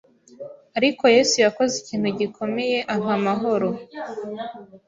ariko Yesu yakoze ikintu gikomeye ampa amahoro